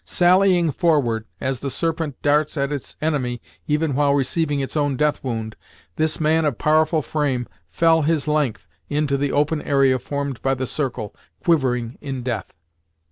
Sallying forward, as the serpent darts at its enemy even while receiving its own death wound, this man of powerful frame fell his length into the open area formed by the circle, quivering in death.